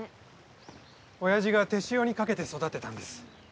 親父が手塩にかけて育てたんです。